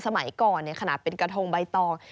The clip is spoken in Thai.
สมัยก่อนขนาดเป็นกระทงใบตอง